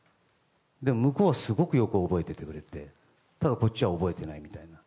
でも向こうはすごくよく覚えててくれてただ、こっちは覚えてないみたいな。